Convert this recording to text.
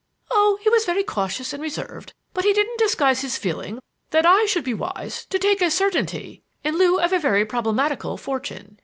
"Oh, he was very cautious and reserved, but he didn't disguise his feeling that I should be wise to take a certainty in lieu of a very problematical fortune.